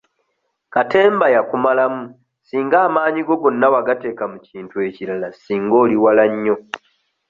Katemba yakumalamu singa amaanyi go gonna wagateeka mu kintu ekirala singa oli wala nnyo.